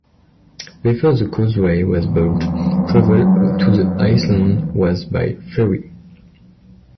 Before the causeway was built, travel to the island was by ferry.